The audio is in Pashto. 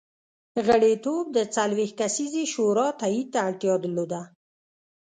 غړیتوب د څلوېښت کسیزې شورا تایید ته اړتیا درلوده.